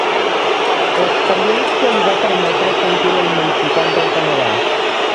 L'experiència li va permetre sentir la immensitat del Canadà.